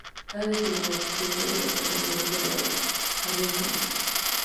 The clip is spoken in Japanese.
ある日の暮方の事である。寒い寒い。